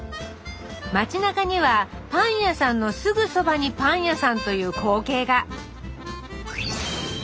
町なかにはパン屋さんのすぐそばにパン屋さんという光景が。